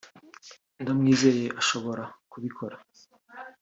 ndamwizeye ashobora kubikora